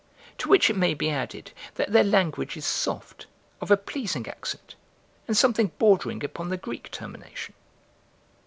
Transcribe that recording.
To which it may be added, that their language is soft, of a pleasing accent, and something bordering upon the Greek termination.